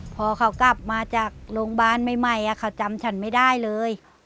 พอเขากลับมาจากโรงพยาบาลใหม่เขาจำฉันไม่ได้เลย